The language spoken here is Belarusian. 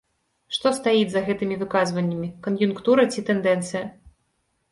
Што стаіць за гэтымі выказванням, кан'юнктура ці тэндэнцыя?